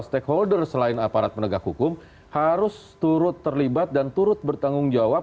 stakeholder selain aparat penegak hukum harus turut terlibat dan turut bertanggung jawab